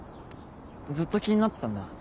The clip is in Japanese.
ずっと気になってたんだ